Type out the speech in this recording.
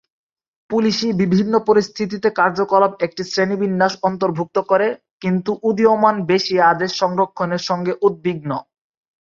পুলিশি বিভিন্ন পরিস্থিতিতে কার্যকলাপ একটি শ্রেণীবিন্যাস অন্তর্ভুক্ত করে, কিন্তু উদীয়মান বেশি আদেশ সংরক্ষণের সঙ্গে উদ্বিগ্ন।